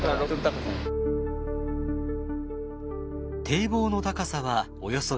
堤防の高さはおよそ４ｍ。